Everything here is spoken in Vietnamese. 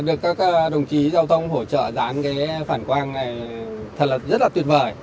được các đồng chí giao thông hỗ trợ dán cái phản quang này thật là rất là tuyệt vời